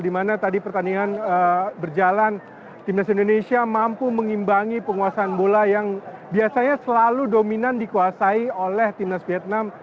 dimana tadi pertandingan berjalan timnas indonesia mampu mengimbangi penguasaan bola yang biasanya selalu dominan dikuasai oleh timnas vietnam